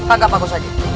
anggap aku saja